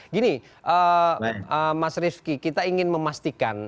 gini mas rifki kita ingin memastikan